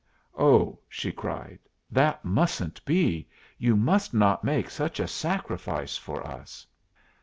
"Oh!" she cried, "that mustn't be. You must not make such a sacrifice for us."